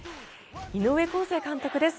井上康生監督です。